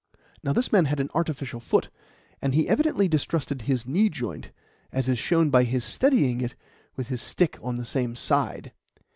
Now, this man had an artificial foot, and he evidently distrusted his knee joint, as is shown by his steadying it with his stick on the same side.